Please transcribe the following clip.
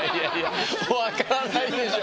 分からないでしょ。